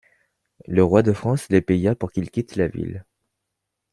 Le roi de France les paya pour qu'ils quittent la ville.